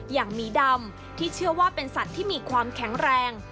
หมีดำที่เชื่อว่าเป็นสัตว์ที่มีความแข็งแรง